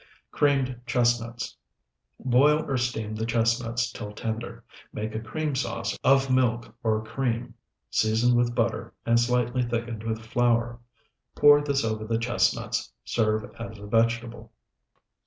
CREAMED CHESTNUTS Boil or steam the chestnuts till tender. Make a cream sauce of milk or cream, seasoned with butter, and slightly thickened with flour. Pour this over the chestnuts; serve as a vegetable.